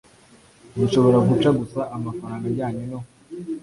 gishobora guca gusa amafaranga ajyanye no